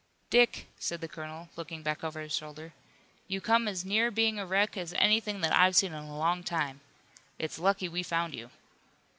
"Dick," said the colonel, looking back over his shoulder, "you come as near being a wreck as anything that I've seen in a long time. It's lucky we found you."